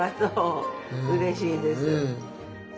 うれしいです。